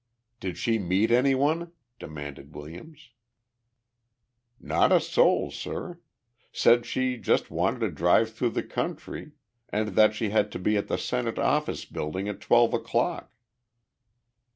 "Did she meet anyone?" demanded Williams. "Not a soul, sir. Said she just wanted to drive through the country and that she had to be at the Senate Office Building at twelve o'clock."